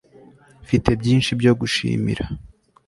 mfite byinshi byo gushimira